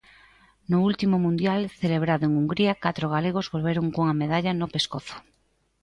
No último mundial, celebrado en Hungría, catro galegos volveron cunha medalla no pescozo.